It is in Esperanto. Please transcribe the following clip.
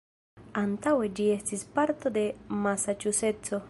Antaŭe ĝi estis parto de Masaĉuseco.